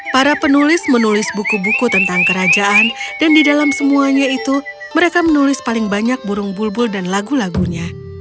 para penulis menulis buku buku tentang kerajaan dan di dalam semuanya itu mereka menulis paling banyak burung bulbul dan lagu lagunya